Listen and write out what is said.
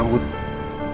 kenapa ini dibuang